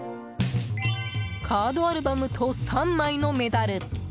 カードアルバムと３枚のメダル。